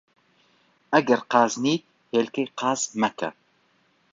ئەگەر قازنیت، هێلکەی قاز مەکە